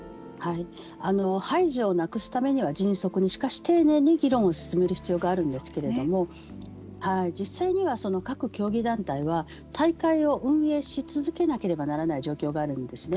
排除をなくすためには迅速しかし丁寧に議論を進める必要があるんですけれども実際には各競技団体は大会を運用し続けなければならない状況があるんですね。